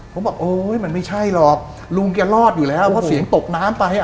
ผมบอกโอ๊ยมันไม่ใช่หรอกลุงแกรอดอยู่แล้วเพราะเสียงตกน้ำไปอ่ะ